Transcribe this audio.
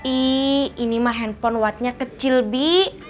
ih ini mah handphone watnya kecil bi